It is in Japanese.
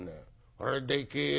あれでけえよ」。